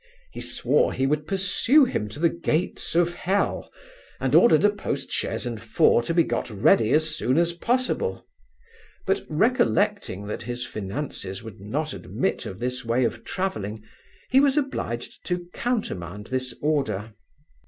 He swore he would pursue him to the gates of hell, and ordered a post chaise and four to be got ready as soon as possible; but, recollecting that his finances would not admit of this way of travelling, he was obliged to countermand this order.